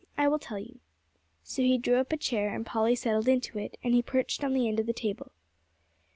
I will tell you." So he drew up a chair, and Polly settled into it, and he perched on the end of the table.